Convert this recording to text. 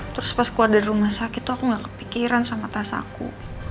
terus pas gue ada di rumah sakit tuh aku gak kepikiran sama tas aku